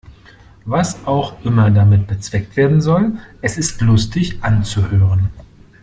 Was auch immer damit bezweckt werden soll, es ist lustig anzuhören.